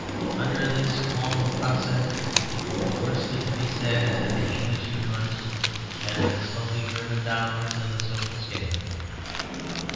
Under this long process, the worst that can be said is that the English humorist has been slowly driven downwards in the social scale.